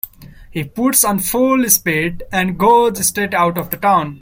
He puts on full speed and goes straight out of the town.